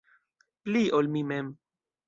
Pli, ol mi mem.